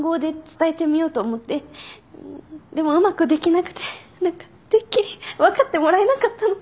でもうまくできなくて何かてっきり分かってもらえなかったのかと。